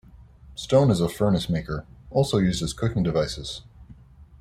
Stone is a furnace maker, also used as cooking devices.